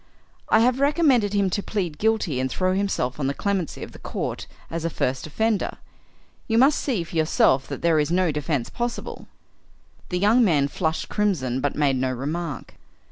"I have recommended him to plead guilty and throw himself on the clemency of the court as a first offender. You must see for yourself that there is no defence possible." The young man flushed crimson, but made no remark.